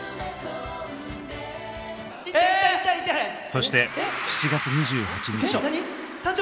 そして７月２８日。